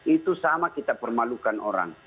itu sama kita permalukan orang